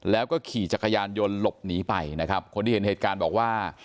แล้วก็ขี่จักรยานยนต์หลบหนีไปนะครับคนที่เห็นเหตุการณ์บอกว่า